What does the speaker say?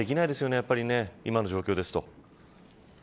やはり今の状況ですと。